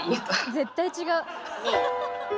絶対違う。